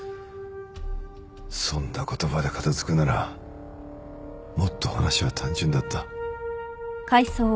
そんな言葉で片付くならもっと話は単純だった。